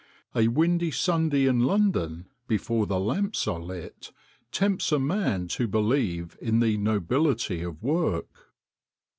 A windy Sunday in London before the lamps are lit, tempts a man to believe in the nobility of work.